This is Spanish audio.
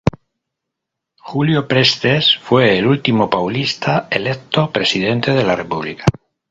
Júlio Prestes fue el último paulista electo presidente de la república.